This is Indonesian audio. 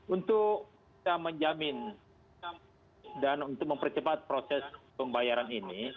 untuk kita menjamin dan untuk mempercepat proses pembayaran ini